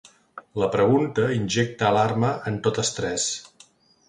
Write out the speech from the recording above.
La pregunta injecta alarma en totes tres.